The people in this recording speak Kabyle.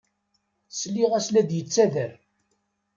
Sliɣ-as la d-yettader.